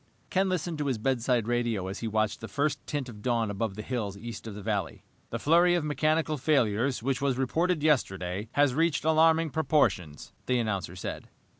Ken listened to his bedside radio as he watched the first tint of dawn above the hills east of the valley. "The flurry of mechanical failures, which was reported yesterday, has reached alarming proportions," the announcer said.